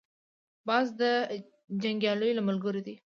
باز د جنګیالیو له ملګرو دی